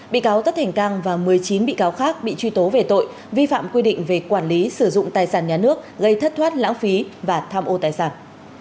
bị cáo tất thành cang và một mươi chín bị cáo khác bị truy tố về tội vi phạm quy định về quản lý sử dụng tài sản nhà nước gây thất thoát lãng phí và tham ô tài sản